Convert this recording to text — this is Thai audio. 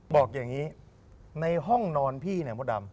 บอกอย่างนี้ในห้องนอนพี่เนี่ยมดดำ